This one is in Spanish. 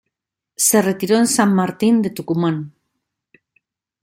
Se retiró en San Martín de Tucumán.